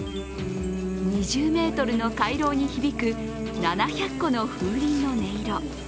２０ｍの回廊に響く７００個の風鈴の音色。